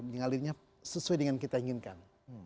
mengalirnya sesuai dengan kita inginkan